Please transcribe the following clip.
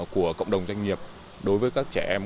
của cộng đồng doanh nghiệp đối với các trẻ em